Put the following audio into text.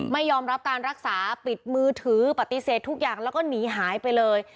ไม่ยอมรับการรักษาปิดมือถือปฏิเสธทุกอย่างแล้วก็หนีหายไปเลย